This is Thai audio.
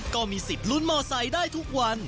ก็มีสิทธิ์ลุ้นมอไซค์ได้ทุกวัน